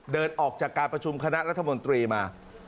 เดินออกจากการประชุมคณะรัฐมนตรีมา